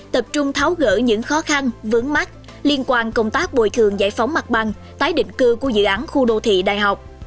tập trung tháo gỡ những khó khăn vướng mắt liên quan công tác bồi thường giải phóng mặt bằng tái định cư của dự án khu đô thị đại học